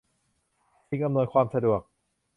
สิ่งอำนวยความสะดวก